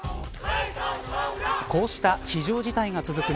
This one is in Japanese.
こうした非常事態が続く